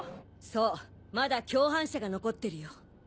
そうまだ共犯者が残ってるよ。